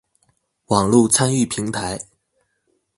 網路參與平台